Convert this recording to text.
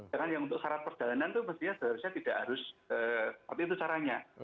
sedangkan yang untuk salat perjalanan itu seharusnya tidak harus tapi itu caranya